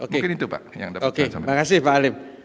mungkin itu pak yang dapatkan